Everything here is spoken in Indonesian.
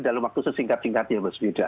dalam waktu sesingkat singkatnya mas wida